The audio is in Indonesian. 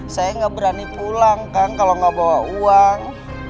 saya gak berani pulang kang kalau gak bawa uang